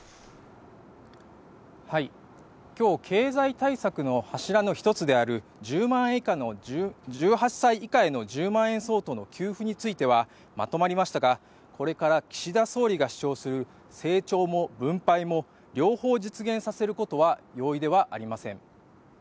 今日、経済対策の柱の一つである１８歳以下への１０万円相当の給付についてはまとまりましたが、これから岸田総理が主張する成長も分配も両方実現させることは容易ではありません。